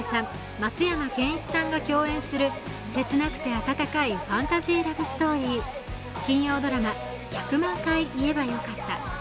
松山ケンイチさんが共演する切なくて温かいファンタジーラブストーリー、金曜ドラマ「１００万回言えばよかった」